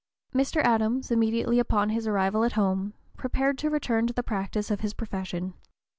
Mr. Adams, immediately upon his arrival at home, prepared to return to the practice of his profession.